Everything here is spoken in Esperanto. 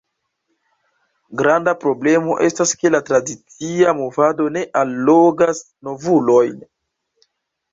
Granda problemo estas ke la tradicia movado ne allogas novulojn.